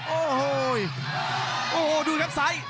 โอ้โหโอ้โหดูครับซ้าย